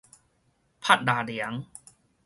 拍抐涼